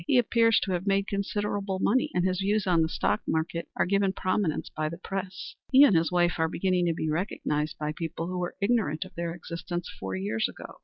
He appears to have made considerable money, and his views on the stock market are given prominence by the press. He and his wife are beginning to be recognized by people who were ignorant of their existence four years ago.